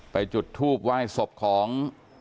จุดทูบไหว้ศพของ